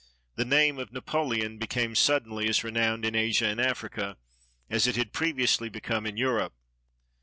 The name of Napoleon became suddenly as renowned in Asia and Africa as it had previously be come in Europe.